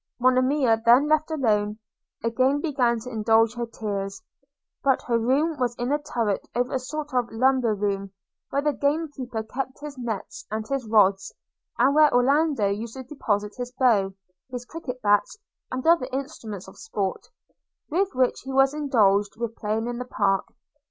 Monimia, then left alone, again began to indulge her tears; but her room was in a turret over a sort of lumber room, where the gamekeeper kept his nets and his rods, and where Orlando used to deposit his bow, his cricket bats and other instruments of sport, with which he was indulged with playing in the park.